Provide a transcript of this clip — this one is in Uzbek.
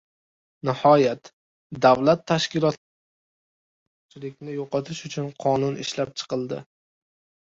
Nihoyat, davlat tashkilotlarida urug‘-aymog‘chilikni yo‘qotish uchun qonun ishlab chiqildi